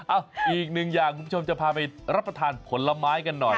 อีกหนึ่งอย่างคุณผู้ชมจะพาไปรับประทานผลไม้กันหน่อย